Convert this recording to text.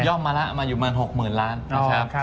ย่อมมาละมาอยู่ประมาณ๖๐๐๐๐ล้านนะครับ